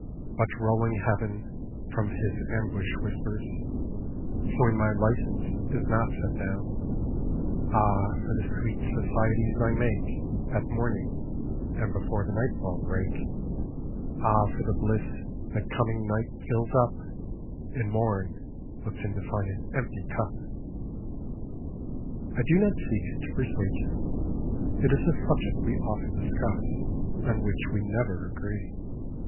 But rolling Heaven from His ambush whispers, So in my licence is it not set down: Ah for the sweet societies I make At Morning, and before the Nightfall break; Ah for the bliss that coming Night fills up, And Morn looks in to find an empty Cup!" I do not seek to persuade you; it is a subject we often discuss, on which we never agree.